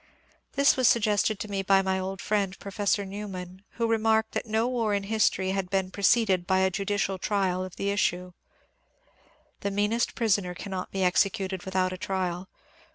This was suggested to me by my old friend Professor Newman, who remarked that no war in history had been preceded by a judicial trial of the issue. The meanest prisoner cannot be executed without a trial.